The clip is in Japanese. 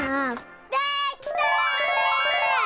できた！